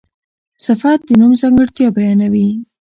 صفت د نوم ځانګړتیا بیانوي.